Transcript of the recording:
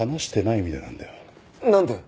なんで？